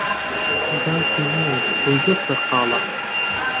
باوکی نایەت، ئەو زۆر سەرقاڵە.